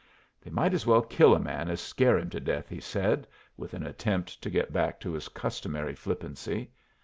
"They might as well kill a man as scare him to death," he said, with an attempt to get back to his customary flippancy.